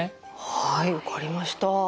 はい分かりました。